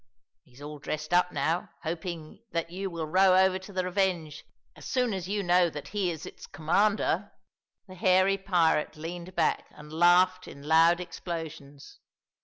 He is all dressed up now, hoping that you will row over to the Revenge as soon as you know that he is its commander." The hairy pirate leaned back and laughed in loud explosions.